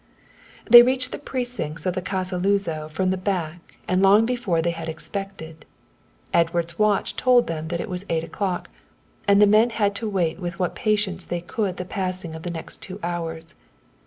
They reached the precincts of the Casa Luzo from the back and long before they had expected. Edward's watch told them that it was eight o'clock, and the men had to wait with what patience they could the passing of the next two hours.